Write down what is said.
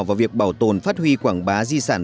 vào việc bảo tồn phát huy quảng bá di sản